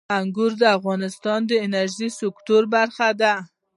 انګور د افغانستان د انرژۍ د سکتور برخه ده.